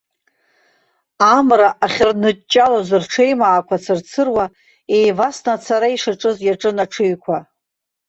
Амра ахьырныҷҷалоз рҽеимаақәа цырцыруа, еивасны ацара ишаҿыц иаҿын аҽыҩқәа.